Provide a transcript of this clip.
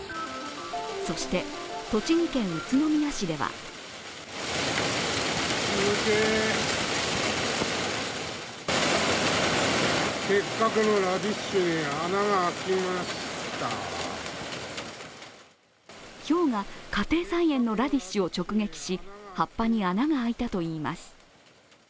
そして栃木県宇都宮市ではひょうが家庭菜園のラディッシュを直撃し、葉っぱに穴が開いたといいます。